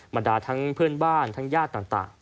บรรดาทั้งเพื่อนบ้านทั้งญาติต่าง